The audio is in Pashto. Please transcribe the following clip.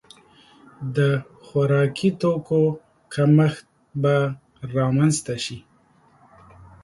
د خوراکي توکو کمښت به رامنځته شي.